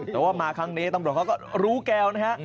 แต่ว่ามาครั้งนี้ตำรวจเขาก็รู้แก้วนะฮะ